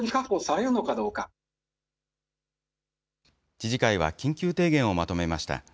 知事会は緊急提言をまとめました。